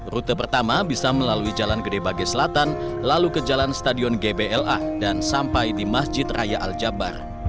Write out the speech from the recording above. rute pertama bisa melalui jalan gede bage selatan lalu ke jalan stadion gbla dan sampai di masjid raya al jabbar